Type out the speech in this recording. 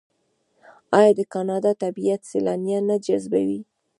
آیا د کاناډا طبیعت سیلانیان نه جذبوي؟